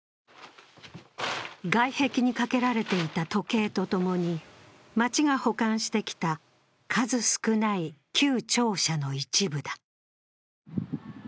外壁にかけられていた時計とともに町が保管してきた数少ない旧庁舎の一部だ。